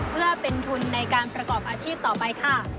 เพื่อเป็นทุนในการประกอบอาชีพต่อไปค่ะ